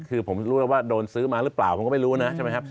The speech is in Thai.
คือผมรู้แล้วว่าโดนซื้อมาหรือเปล่าผมก็ไม่รู้นะใช่ไหมครับ